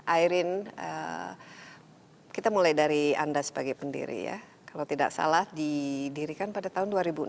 ayrin kita mulai dari anda sebagai pendiri ya kalau tidak salah didirikan pada tahun dua ribu enam